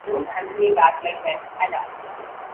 Don’t answer me back like that, Ada.